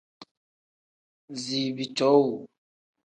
Ziibi cowuu.